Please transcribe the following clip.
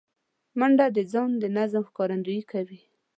منډه د ځان د نظم ښکارندویي کوي